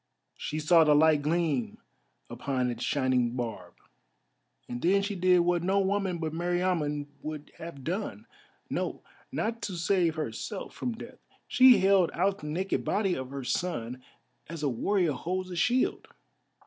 She saw the light gleam upon its shining barb, and then she did what no woman but Meriamun would have done, no, not to save herself from death—she held out the naked body of her son as a warrior holds a shield.